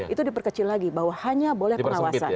itu diperkecil lagi bahwa hanya boleh pengawasan